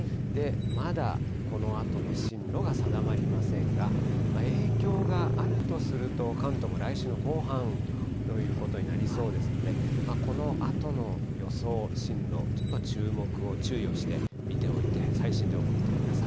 まだこのあとの進路が定まりませんが、影響があるとすると、関東も来週の後半ということになりそうですので、このあとの予想進路、ちょっと注目を、注意をして見ておいて、最新情報を見てください。